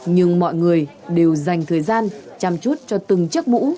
nhưng mọi người đều dành thời gian chăm chút cho từng chiếc mũ